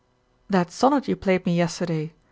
"That sonnet you played me yesterday.